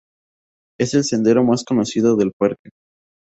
Es el sendero más conocido del parque.